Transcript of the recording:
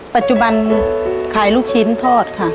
ปัจจุบันขายลูกชิ้นทอดค่ะ